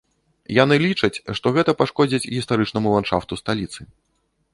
Яны лічаць, што гэта пашкодзіць гістарычнаму ландшафту сталіцы.